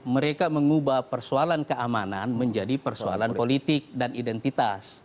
mereka mengubah persoalan keamanan menjadi persoalan politik dan identitas